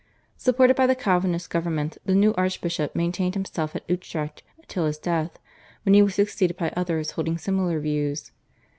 Supported by the Calvinist government the new archbishop maintained himself at Utrecht till his death, when he was succeeded by others holding similar views.